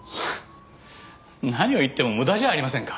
何を言っても無駄じゃありませんか。